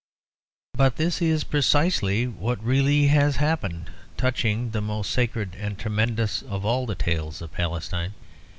But this is precisely what really has happened touching the most sacred and tremendous of all the tales of Palestine.